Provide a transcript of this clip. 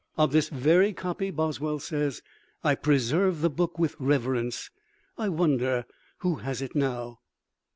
Of this very copy Boswell says: "I preserve the book with reverence." I wonder who has it now?